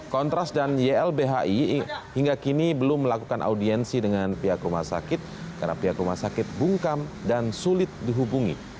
kontras dan ylbhi hingga kini belum melakukan audiensi dengan pihak rumah sakit karena pihak rumah sakit bungkam dan sulit dihubungi